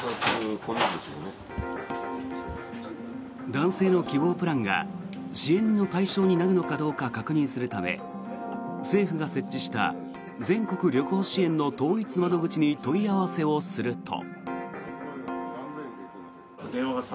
男性の希望プランが支援の対象になるのかどうか確認するため政府が設置した全国旅行支援の統一窓口に問い合わせをすると。